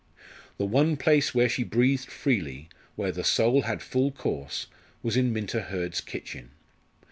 The one place where she breathed freely, where the soul had full course, was in Minta Hurd's kitchen.